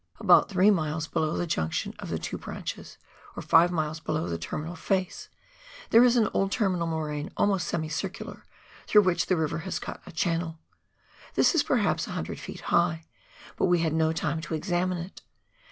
About three miles below the junction of the two branches, or five miles below the terminal face, there is an old terminal moraine almost semicircular, through which the river has cut a channel. This is, perhaps, a hundred feet high, but we had no time to examine it.